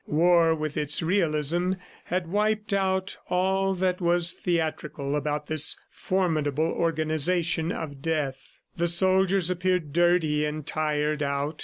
War, with its realism, had wiped out all that was theatrical about this formidable organization of death. The soldiers appeared dirty and tired, out.